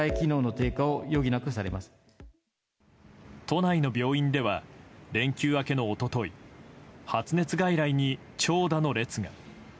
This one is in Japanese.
都内の病院では連休明けの一昨日発熱外来に長蛇の列が。